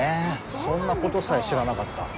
そんなことさえ知らなかった。